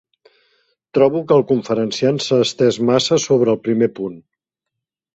Trobo que el conferenciant s'ha estès massa sobre el primer punt.